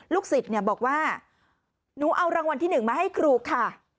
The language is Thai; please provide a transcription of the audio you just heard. สิทธิ์บอกว่าหนูเอารางวัลที่๑มาให้ครูค่ะ